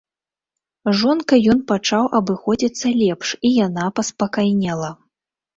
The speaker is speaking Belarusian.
З жонкай ён пачаў абыходзіцца лепш, і яна паспакайнела.